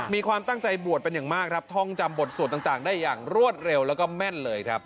มีความตั้งใจบวชเป็นอย่างมากครับท่องจำบทสวดต่างได้อย่างรวดเร็วแล้วก็แม่นเลยครับ